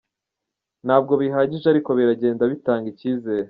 Ntabwo bihagije ariko biragenda bitanga icyizere.